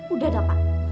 udah dah pak